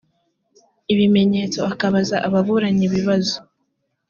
ibimenyetso akabaza ababuranyi ibibazo